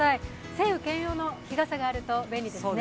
晴雨兼用の日傘があると便利ですね。